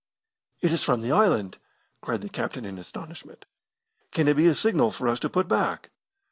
"It is from the island!" cried the captain in astonishment. "Can it be a signal for us to put back?"